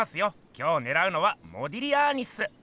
今日ねらうのは「モディリアーニ」っす。